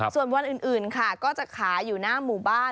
ส่วนวันอื่นค่ะก็จะขายอยู่หน้าหมู่บ้าน